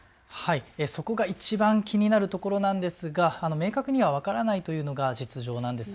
そこがいちばん気になるところなんですが明確には分からないというのが実情なんです。